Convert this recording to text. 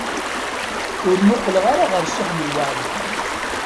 Ur muqleɣ ara ɣer Si Ḥmed Waɛli.